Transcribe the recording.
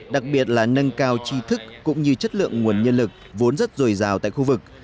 đặc biệt là nâng cao chi thức cũng như chất lượng nguồn nhân lực vốn rất dồi dào tại khu vực